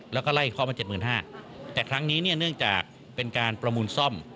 แล้วก็ไล่เขามา๗๕๐๐บาทแต่ครั้งนี้เนี่ยเนื่องจากเป็นการประมูลซ่อม